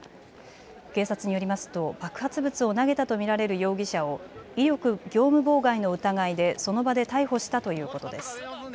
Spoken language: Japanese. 警察によりますと爆発物を投げたと見られる容疑者を威力業務妨害の疑いでその場で逮捕したということです。